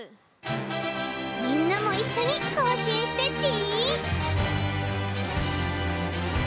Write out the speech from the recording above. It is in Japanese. みんなもいっしょに行進してち。